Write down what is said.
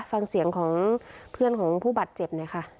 ฟังเสียงของเพื่อนของผู้บาดเจ็บหน่อยค่ะ